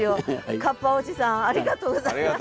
カッパおじさんありがとうございました。